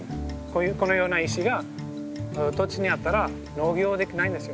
このような石が土地にあったら農業はできないんですよ。